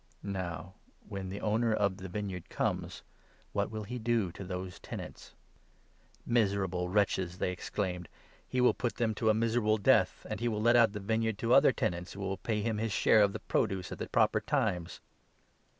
Now, when the 40 owner of the vineyard conies, what will he do to those tenants ?"" Miserable wretches !" they exclaimed, " he will put them 41 to a miserable death, and he will let out the vineyard to other tenants, who will pay him his share of the produce at the proper times."